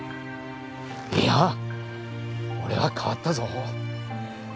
いやあ俺は変わったぞ。